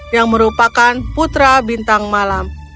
yang merupakan putra bintang malam